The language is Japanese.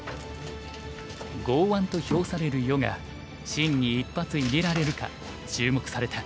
剛腕と評される余がシンに一発入れられるか注目された。